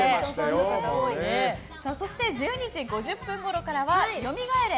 そして１２時５０分ごろからは甦れ！